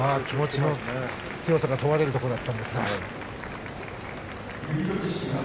気持ちの強さが問われるところだったんですが。